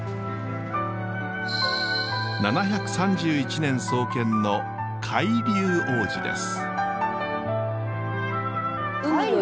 ７３１年創建の海龍王寺です。